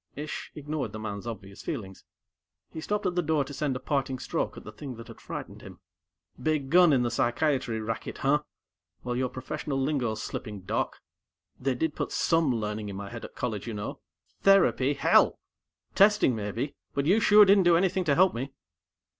Ish ignored the man's obvious feelings. He stopped at the door to send a parting stroke at the thing that had frightened him. "Big gun in the psychiatry racket, huh? Well, your professional lingo's slipping, Doc. They did put some learning in my head at college, you know. Therapy, hell! Testing maybe, but you sure didn't do anything to help me!"